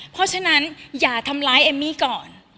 เพราะฉะนั้นอย่าทำร้ายเอมมี่ก่อน